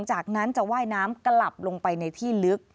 พร้อมจากนั้นจะไหว้น้ำกลับลงไปในที่ลึก